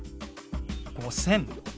５０００。